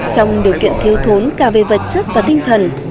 trong điều kiện thiếu thốn cả về vật chất và tinh thần